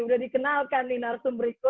sudah dikenalkan nih narsum berikutnya